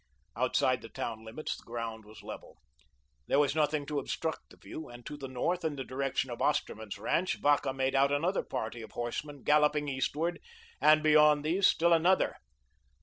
Outside the town limits the ground was level. There was nothing to obstruct the view, and to the north, in the direction of Osterman's ranch, Vacca made out another party of horsemen, galloping eastward, and beyond these still another.